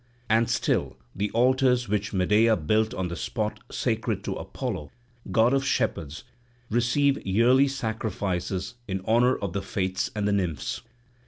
And still the altars which Medea built on the spot sacred to Apollo, god of shepherds, receive yearly sacrifices in honour of the Fates and the Nymphs.